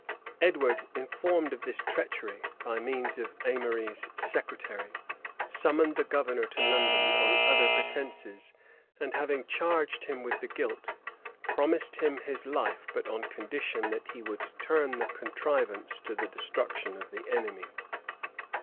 Edward, informed of this treachery, by means of Aimery's secretary, summoned the governor to London on other pretences; and having charged him with the guilt, promised him his life, but on condition that he would turn the contrivance to the destruction of the enemy.